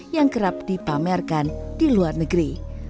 yang kerap dipamerkan di luar negeri